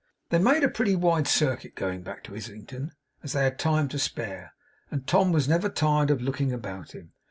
They made a pretty wide circuit in going back to Islington, as they had time to spare, and Tom was never tired of looking about him.